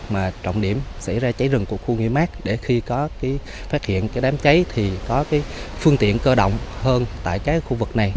mà trọng điểm xảy ra cháy rừng của khu nghĩa mát để khi phát hiện đám cháy thì có phương tiện cơ động hơn tại khu vực này